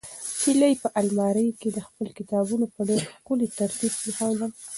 هیلې په المارۍ کې خپل کتابونه په ډېر ښکلي ترتیب کېښودل.